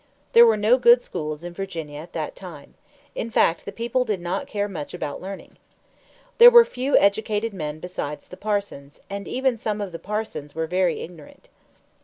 There were no good schools in Virginia at that time. In fact, the people did not care much about learning. There were few educated men besides the parsons, and even some of the parsons were very ignorant.